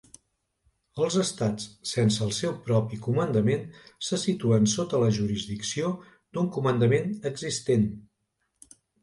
Els estats sense el seu propi comandament se situen sota la jurisdicció d'un comandament existent.